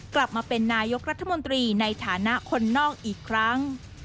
กลับมาเป็นนายกรัฐมนตรีในฐานะคนนอกอีกครั้ง